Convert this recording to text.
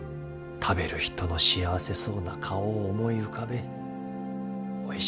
食べる人の幸せそうな顔を思い浮かべえ。